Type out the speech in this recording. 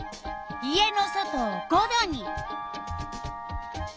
家の外を５℃に。